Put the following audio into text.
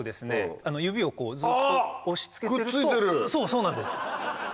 そうなんです。